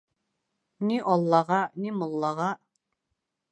Ни аллаға, ни муллаға.